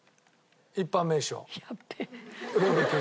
一般名称。